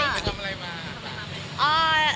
ดูดุมขึ้น